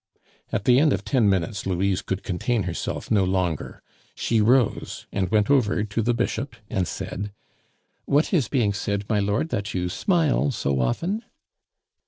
At the end of ten minutes Louise could contain herself no longer. She rose and went over to the Bishop and said: "What is being said, my lord, that you smile so often?"